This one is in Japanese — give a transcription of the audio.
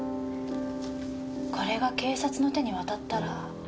これが警察の手に渡ったら。